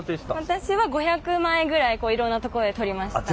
私は５００枚ぐらいいろんなとこで撮りました。